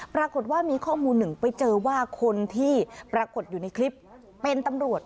ปรากฏว่ามีข้อมูลหนึ่งไปเจอว่าคนที่ปรากฏอยู่ในคลิปเป็นตำรวจ